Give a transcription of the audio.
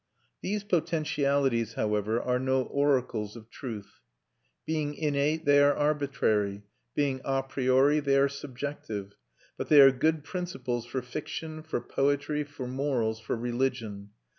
These potentialities, however, are no oracles of truth. Being innate they are arbitrary; being a priori they are subjective; but they are good principles for fiction, for poetry, for morals, for religion.